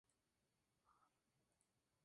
Teodorico recibió en herencia el Flandes imperial.